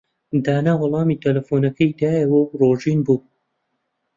دانا وەڵامی تەلەفۆنەکەی دایەوە و ڕۆژین بوو.